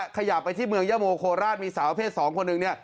ขยับไปที่เมืองยะโมโคราชมีสาวเพศ๒คนหนึ่งเนี่ย